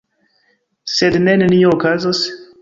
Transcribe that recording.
Sed se nenio okazos?